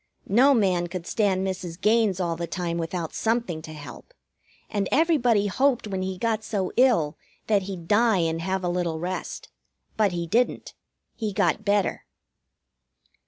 No man could stand Mrs. Gaines all the time without something to help, and everybody hoped when he got so ill that he'd die and have a little rest. But he didn't. He got better.